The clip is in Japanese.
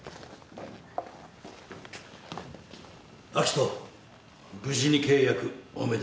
明人無事に契約おめでとう。